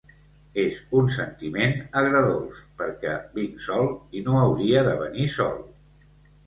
És un sentiment agredolç perquè vinc sol, i no hauria de venir sol.